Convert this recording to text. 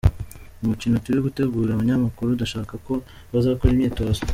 Umukino turi gutegura abanyamakuru ndashaka ko bazakora imyitozo.